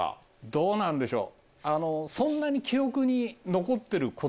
どうなんでしょう？